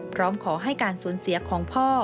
พร้อมขอให้การสูญเสียของพ่อ